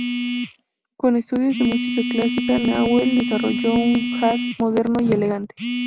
Con estudios de música clásica, Nahuel desarrolló un "jazz" moderno y elegante.